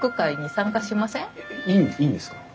えいいんですか？